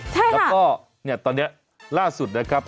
แล้วก็เนี่ยตอนนี้ล่าสุดนะครับ